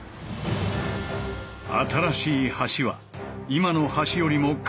新しい橋は今の橋よりも下流にある。